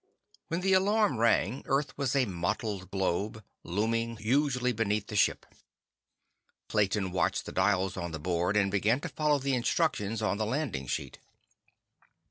When the alarm rang, Earth was a mottled globe looming hugely beneath the ship. Clayton watched the dials on the board, and began to follow the instructions on the landing sheet.